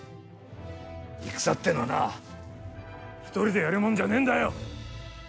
戦ってのはな一人でやるもんじゃねえんだよ！